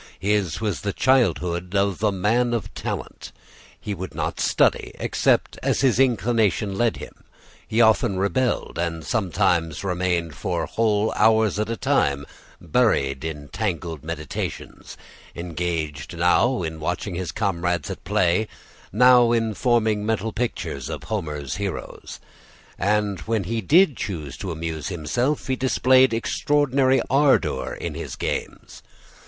His was the childhood of a man of talent. He would not study except as his inclination led him, often rebelled, and sometimes remained for whole hours at a time buried in tangled meditations, engaged now in watching his comrades at play, now in forming mental pictures of Homer's heroes. And, when he did choose to amuse himself, he displayed extraordinary ardor in his games.